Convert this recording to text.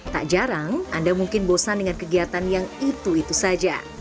tak jarang anda mungkin bosan dengan kegiatan yang itu itu saja